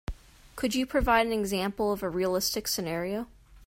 Could you provide an example of a realistic scenario?